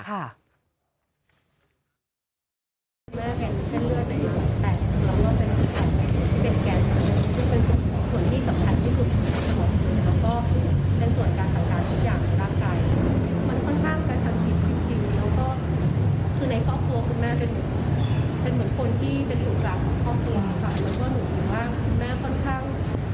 คุณแม่ค่อนข้าง